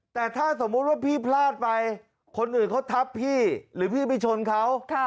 แต่ถ้าสมมุติว่าพี่พลาดไปคนอื่นเขาทับพี่หรือพี่ไปชนเขา